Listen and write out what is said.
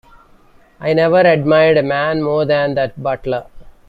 I never admired a man more than that butler.